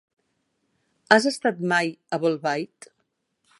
Has estat mai a Bolbait?